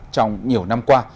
trong nhiều năm qua